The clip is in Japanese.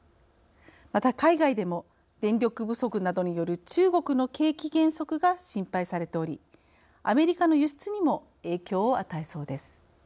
また海外でも電力不足などによる中国の景気減速が心配されておりアメリカの輸出にも影響を与えそうです。